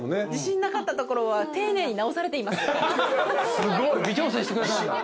すごい微調整してくださるんだ。